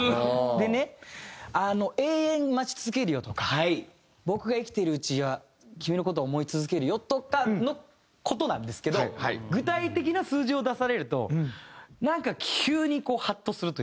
でね「永遠に待ち続けるよ」とか「僕が生きてるうちは君の事を思い続けるよ」とかの事なんですけど具体的な数字を出されるとなんか急にこうハッとするというか。